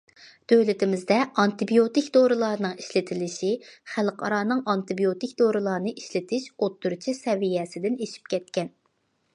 دۆلىتىمىزدە ئانتىبىيوتىك دورىلارنىڭ ئىشلىتىلىشى خەلقئارانىڭ ئانتىبىيوتىك دورىلارنى ئىشلىتىش ئوتتۇرىچە سەۋىيەسىدىن ئېشىپ كەتكەن.